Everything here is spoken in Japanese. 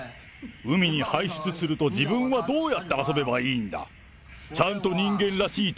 海に排出すると、自分はどうやって遊べばいいんだ。